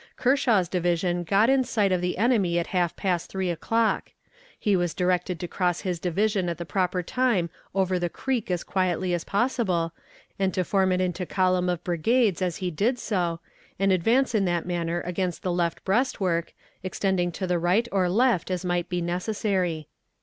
Kershaw's division got in sight of the enemy at half past three o'clock. He was directed to cross his division at the proper time over the creek as quietly as possible, and to form it into column of brigades as he did so, and advance in that manner against the left breastwork, extending to the right or left as might be necessary.